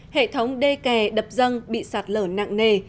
hệ thống đê kè đập dân bị sạt lở nặng nề